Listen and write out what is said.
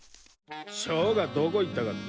ショーがどこ行ったかって？